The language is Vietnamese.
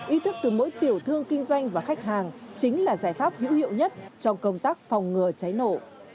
ý thức từ mỗi tiểu thương kinh doanh và khách hàng chính là giải pháp hữu hiệu nhất trong công tác phòng ngừa cháy nổ